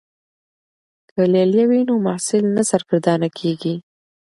که لیلیه وي نو محصل نه سرګردانه کیږي.